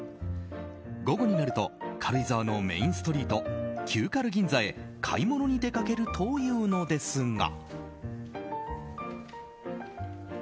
午後になると軽井沢のメインストリート旧軽銀座へ、買い物に出かけるというのですが。